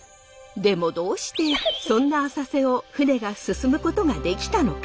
でもどうしてそんな浅瀬を舟が進むことができたのか？